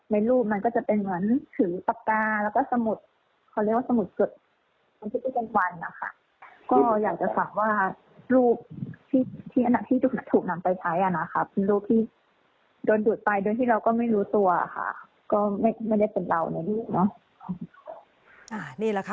ในรูปมันก็จะเป็นเหมือนถือปากกาและก็สมุด